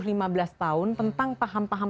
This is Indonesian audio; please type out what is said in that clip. lima belas tahun tentang paham paham